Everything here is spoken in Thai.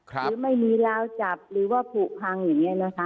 หรือไม่มีราวจับหรือว่าผูกพังอย่างนี้นะคะ